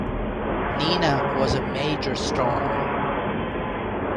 Nina was a major storm.